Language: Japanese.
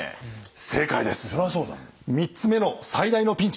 ３つ目の最大のピンチ。